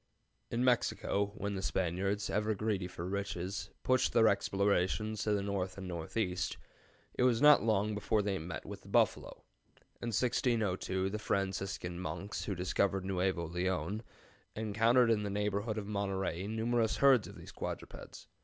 ] "In Mexico, when the Spaniards, ever greedy for riches, pushed their explorations to the north and northeast, it was not long before they met with the buffalo. In 1602 the Franciscan monks who discovered Nuevo Leon encountered in the neighborhood of Monterey numerous herds of these quadrupeds.